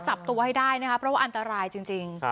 จับตัวให้ได้นะครับเพราะว่าอันตรายจริง